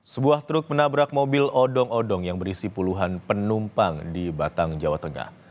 sebuah truk menabrak mobil odong odong yang berisi puluhan penumpang di batang jawa tengah